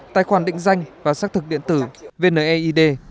tài khoản định danh và xác thực điện tử vneid